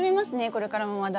これからもまだ。